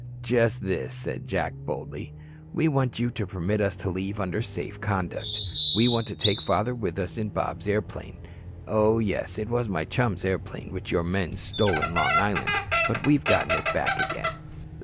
"Just this," said Jack, boldly, "we want you to permit us to leave under safe conduct. We want to take father with us in Bob's airplane. Oh, yes, it was my chum's airplane which your men stole in Long Island. But we have gotten it back again."